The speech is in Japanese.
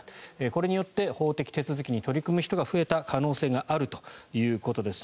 これによって法的手続きに取り組む人が増えた可能性があるということです。